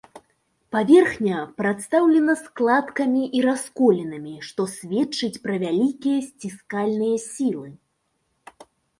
Паверхня прадстаўлена складкамі і расколінамі, што сведчыць пра вялікія сціскальныя сілы.